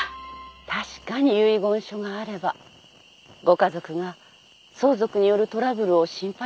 確かに遺言書があればご家族が相続によるトラブルを心配することはなくなります。